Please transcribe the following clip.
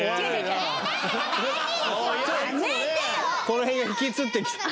この辺が引きつってきた。